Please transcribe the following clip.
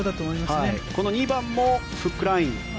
この２番もフックライン。